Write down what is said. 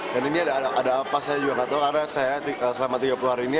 dan ini ada apa saya juga enggak tahu karena saya selama tiga puluh hari ini